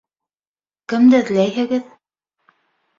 -Кемде эҙләйһегеҙ?